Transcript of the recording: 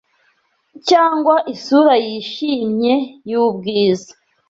cyangwa isura yishimye Yubwiza